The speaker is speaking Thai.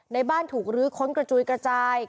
ในบ้านถูกลื้อค้นกระจุยกระจาย